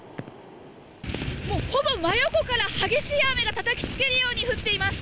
もうほぼ真横から激しい雨がたたきつけるように降っています。